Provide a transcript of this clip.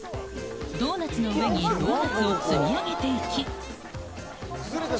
ドーナツの上にドーナツを積み上げていき。